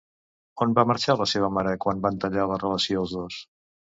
On va marxar la seva mare quan van tallar la relació els dos?